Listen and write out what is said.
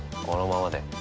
このままで。